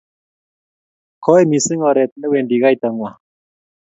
kooi mising' oret ne wendi kaita ng'wang'